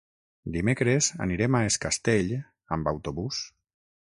Dimecres anirem a Es Castell amb autobús.